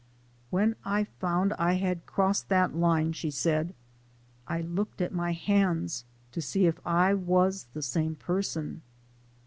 " When I found I had crossed dat line? she said, " I looked at my hands to see if I was de same pusson.